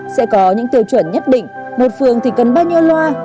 sẽ có những tiêu chuẩn nhất định một phường thì cần bao nhiêu loa